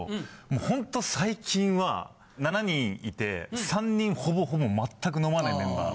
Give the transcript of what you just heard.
ほんと最近は７人いて３人ほぼほぼ全く飲まないメンバー。